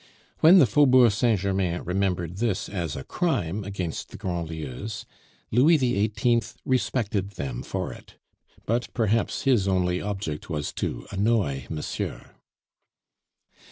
When the Faubourg Saint Germain remembered this as a crime against the Grandlieus, Louis XVIII. respected them for it; but perhaps his only object was to annoy Monsieur.